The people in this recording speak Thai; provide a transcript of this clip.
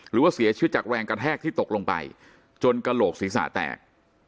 หรือว่าเสียชีวิตจากแรงกระแทกที่ตกลงไปจนกระโหลกศีรษะแตก